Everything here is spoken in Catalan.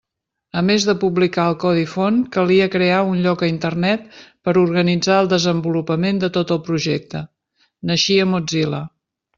A més de publicar el codi font calia crear un lloc a Internet per organitzar el desenvolupament de tot el projecte: naixia Mozilla.